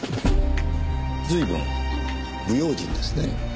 随分無用心ですねぇ。